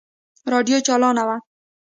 راډيو چالانه وه.